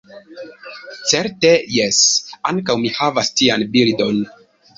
Certe jes, ankaŭ mi havas tian bildon.